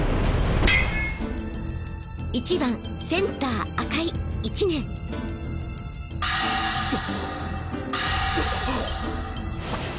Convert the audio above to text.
１番センター赤井１年あ。